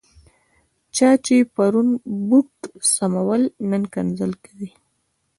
چا چې پرون بوټ سمول، نن کنځل کوي.